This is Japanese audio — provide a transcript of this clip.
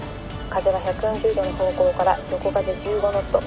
「風は１４０度の方向から横風１５ノット」